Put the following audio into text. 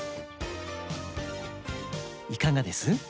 いかがです？